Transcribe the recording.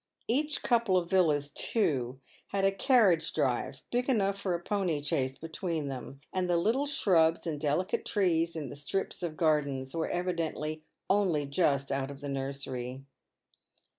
Each couple of villas, too, had a carriage drive, big enough for a pony chaise between them, and the little shrubs and delicate trees in the strips of gardens were evidently only just out of the nursery.